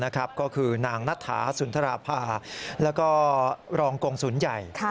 ก็คือนางนัทธาสุนทราภาแล้วก็รองกงศูนย์ใหญ่